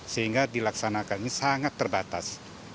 sehingga dilaksanakannya sangat terbatas